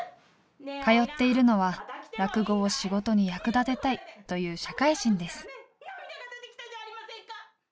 通っているのは落語を仕事に役立てたいという社会人です。